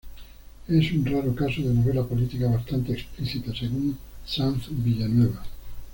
Es "un raro caso de novela política bastante explícita", según Sanz Villanueva.